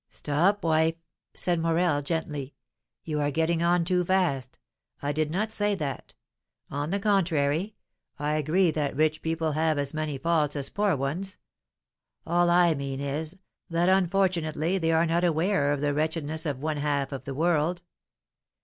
"Stop, wife!" said Morel, gently; "you are getting on too fast. I did not say that; on the contrary, I agree that rich people have as many faults as poor ones; all I mean is, that, unfortunately, they are not aware of the wretchedness of one half of the world.